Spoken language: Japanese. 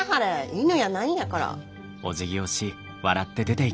犬やないんやから。